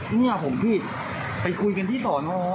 เนี่ยผมพี่ไปคุยกันที่สอนอ